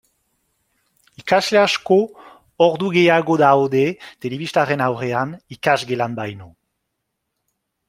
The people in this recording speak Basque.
Ikasle asko ordu gehiago daude telebistaren aurrean ikasgelan baino.